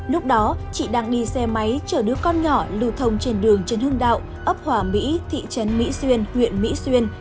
lúc đó chị đang đi xe máy chở đứa con nhỏ lưu thông trên đường trần hưng đạo ấp hỏa mỹ thị trấn mỹ xuyên huyện mỹ xuyên